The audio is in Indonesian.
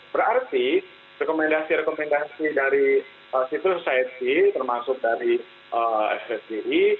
berarti rekomendasi rekomendasi dari situs sisi termasuk dari fsdi